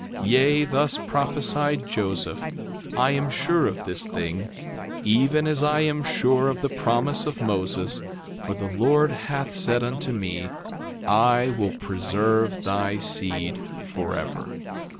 3:16 Yea, thus prophesied Joseph: I am sure of this thing, even as I am sure of the promise of Moses; for the Lord hath said unto me, I will preserve thy seed forever.